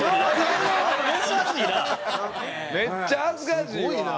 めっちゃ恥ずかしいわ。